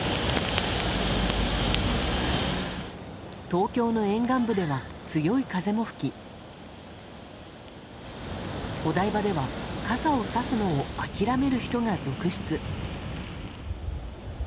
東京の沿岸部では強い風も吹きお台場では、傘をさすのを諦める人が続出。